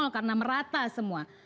karena merata semua